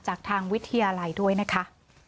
จากทางวิทยาลัยด้วยนะคะ